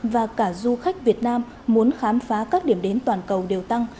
và cả du khách việt nam muốn khám phá các điểm đến toàn cầu đều tăng